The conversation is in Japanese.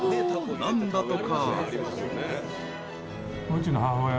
なんだとか。